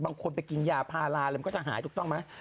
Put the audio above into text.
บางคนไปกินยาพาราเลยมันก็จะหายถูกต้องไหม